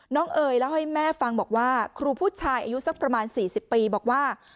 เอยเล่าให้แม่ฟังบอกว่าครูผู้ชายอายุสักประมาณ๔๐ปีบอกว่า